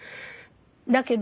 だけど。